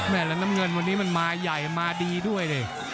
แล้วน้ำเงินวันนี้มันมาใหญ่มาดีด้วยดิ